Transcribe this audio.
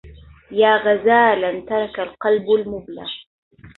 يا غزالا ترك القلب المبلى